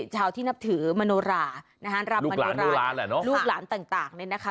ชาวที่นับถือมโนรานะฮะรำมโนราแหละลูกหลานต่างเนี่ยนะคะ